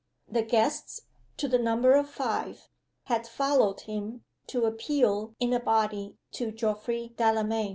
The guests, to the number of five, had followed him, to appeal in a body to Geoffrey Delamayn.